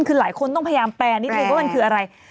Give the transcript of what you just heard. คือหลายคนต้องพยายามแปลนิดนึงว่ามันคืออะไร